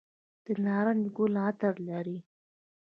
د نارنج ګل عطر لري؟